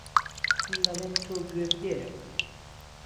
من دهڵێم تۆ گوێ بدێره